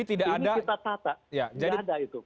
ini kita tata tidak ada itu